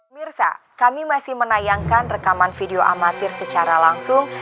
mirsa kami masih menayangkan rekaman video amatir secara langsung